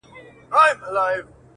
خواره وږې، څه به مومې د سوى د سږې.